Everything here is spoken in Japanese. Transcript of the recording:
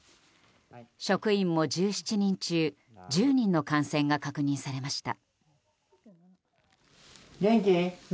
職員も１７人中１０人の感染が確認されました。